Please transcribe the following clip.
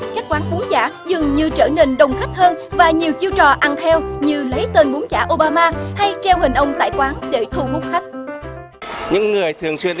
các quán bún chả dường như trở nên đông khách hơn và nhiều chiêu trò ăn theo như lấy tên bún chả obama hay treo hình ông tại quán để thu múc khách